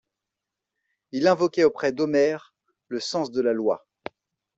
Il invoquait auprès d'Omer le sens de la loi.